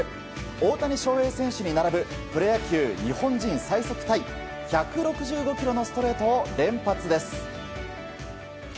大谷翔平選手に並ぶ日本人最速タイ１６５キロのストレートを連発です。